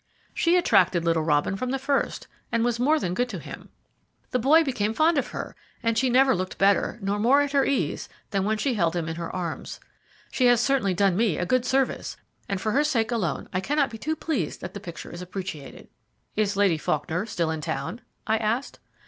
She attracted little Robin from the first, and was more than good to him. The boy became fond of her, and she never looked better, nor more at her ease, than when she held him in her arms. She has certainly done me a good service, and for her sake alone I cannot be too pleased that the picture is appreciated. "Is Lady Faulkner still in town?" I asked.